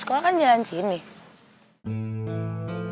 bukankah kamu mau bikin ngejauhi tapping